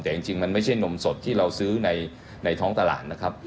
แต่จริงมันไม่ใช่นมสดที่เราซื้อในท้องตลาดนะครับ